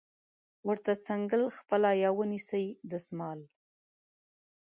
ورته څنګل خپله یا ونیسئ دستمال